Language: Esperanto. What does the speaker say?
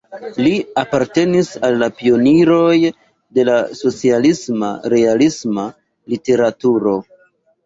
Li apartenis al la pioniroj de la socialisma-realisma literaturo.